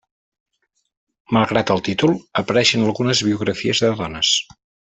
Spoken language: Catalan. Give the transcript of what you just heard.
Malgrat el títol, apareixen algunes biografies de dones.